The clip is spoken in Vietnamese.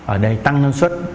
ở đây tăng năng suất